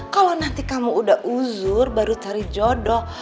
kalo nanti kamu udah uzur baru cari jodoh